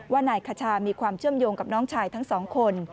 ว่านายคชามีความเชื่อมโยงกับน้องชายทั้งสองคน